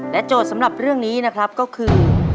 โจทย์สำหรับเรื่องนี้นะครับก็คือ